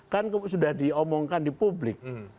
kan sudah diomongkan di publik